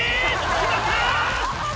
決まった！